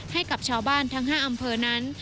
ให้กับชาวบ้านทั้ง๕อำเภอนั้น